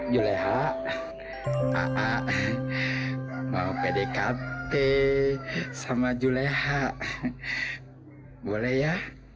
juleha mau pdkp sama juleha boleh ya